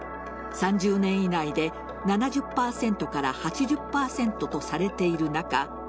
３０年以内で７０％から８０％とされている中